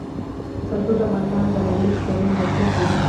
کلتور د افغانستان د ځایي اقتصادونو بنسټ دی.